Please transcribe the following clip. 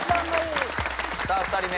さあ２人目